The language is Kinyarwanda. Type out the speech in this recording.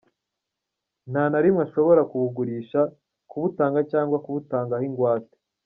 Nta na rimwe ashobora kuwugurisha, kuwutanga cyangwa kuwutangaho ingwate.